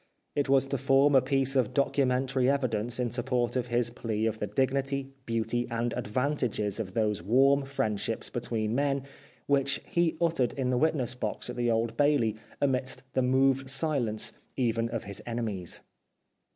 It was to form a piece of documentary evidence in support of his plea of the dignity, beauty, and advantages of those warm friendsliips between men, which he uttered in the witness box at the Old Bailey amidst the moved silence even of his enemies.